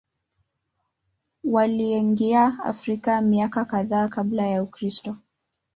Waliingia Afrika miaka kadhaa Kabla ya Kristo.